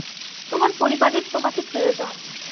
তোমার পরিবারের তোমাকে প্রয়োজন।